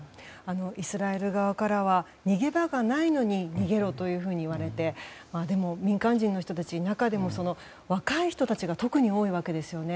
イスラエル側からは逃げ場がないのに逃げろというふうに言われてでも、民間人の人たち中でも若い人たちが特に多いわけですよね。